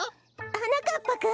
はなかっぱくん！？